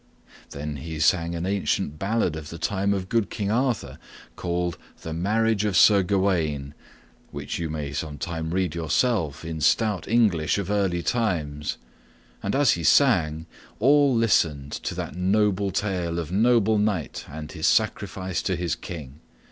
Then he sang an ancient ballad of the time of good King Arthur, called "The Marriage of Sir Gawaine," which you may some time read yourself, in stout English of early times; and as he sang, all listened to that noble tale of noble knight and his sacrifice to his king.